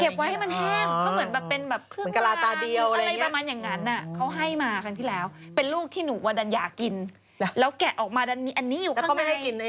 เก็บไว้ให้มันแห้งก็เหมือนเป็นแบบเครื่องร้านอะไรประมาณอย่างนั้นเขาให้มาครั้งที่แล้วเป็นลูกที่หนูวันดันอยากินแล้วแกะออกมาอันนี้อยู่ข้างใน